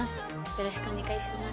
よろしくお願いします。